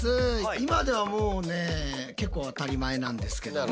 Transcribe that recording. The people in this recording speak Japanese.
今ではもうね結構当たり前なんですけども。